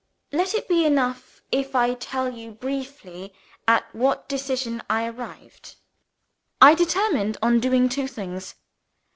Let it be enough if I tell you briefly at what decision I arrived. I determined on doing two things.